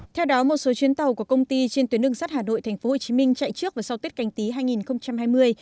theo đó một số chuyến tàu của công ty trên tuyến đường sắt hà nội tp hcm chạy trước và sau tết canh tí hai nghìn hai mươi